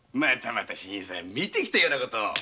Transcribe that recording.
新さん見てきたようなことを。